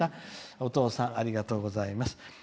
お父さん、ありがとうございます。